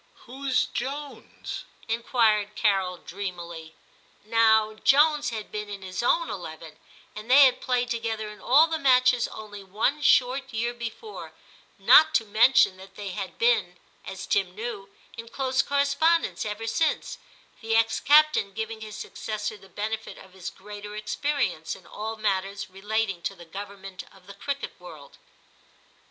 * Who's Jones ?' inquired Carol dreamily. Now Jones had been in his own eleven, and they had played together in all the matches only one short year before, not to mention that they had been, as Tim knew, in close correspondence ever since, the ex captain giving his successor the benefit of his greater experience in all matters relating to the government of the cricket world.